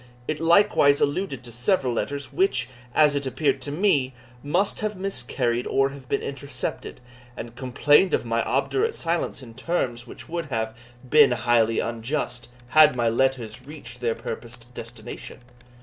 It likewise alluded to several letters, which, as it appeared to me, must have miscarried or have been intercepted, and complained of my obdurate silence, in terms which would have, been highly unjust, had my letters reached their purposed destination.